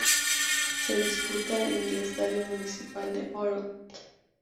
Se disputa en el Estadio Municipal de Olot.